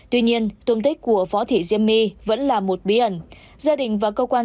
tuy nhiên tôn tích của phó thị diêm my vẫn là một bí ẩn